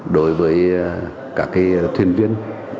đối với các thuyền biển